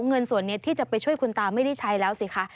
เงินส่วนนี้ที่จะไปช่วยคุณตาไม่ได้ใช้แล้วสิคะ